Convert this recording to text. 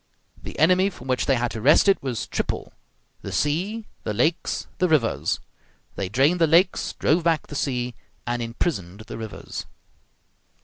The enemy from which they had to wrest it was triple: the sea, the lakes, the rivers. They drained the lakes, drove back the sea, and imprisoned the rivers.